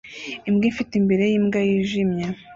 Imbwa ifite imbere yimbwa yijimye